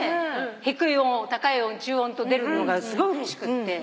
低い音高い音中音と出るのがすごいうれしくって。